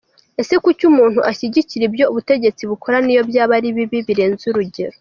Ese kuki umuntu ashyigikira ibyo ubutegetsi bukora n’iyo byaba ari bibi birenze urugero ?